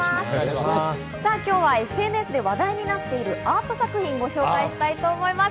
今日はＳＮＳで話題になっているアート作品をご紹介します。